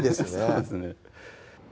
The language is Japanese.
そうですね